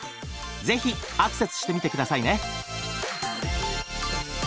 ぜひアクセスしてみて下さいね。